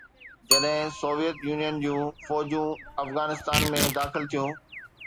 جڏهن Soviet Union جون فوجون افغانستان ۾ داخل ٿيون.